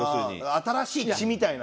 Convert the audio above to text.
新しい血みたいな。